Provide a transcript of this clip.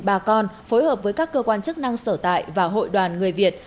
bà con phối hợp với các cơ quan chức năng sở tại và hội đoàn người việt